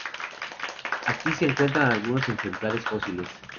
Aquí se encuentran algunos ejemplares fósiles.